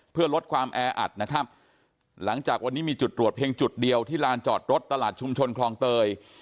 เพื่อลดความแออัดนะครับหลังจากวันนี้มีจุดตรวจเพียงจุดเดียวที่ลานจอดรถตลาดชุมชนคลองเตย